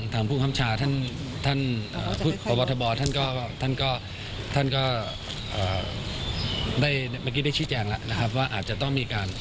ท่านก็ได้ชิดแจงนะครับว่าอาจจะต้องมีการ